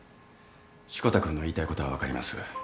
志子田君の言いたいことは分かります。